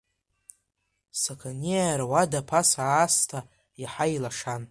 Сақаниаа руада, ԥаса аасҭа, иаҳа илашан.